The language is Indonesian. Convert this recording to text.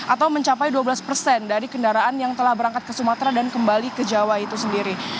atau mencapai dua belas persen dari kendaraan yang telah berangkat ke sumatera dan kembali ke jawa itu sendiri